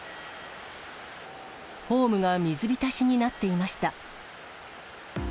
ホームが水浸しになっていました。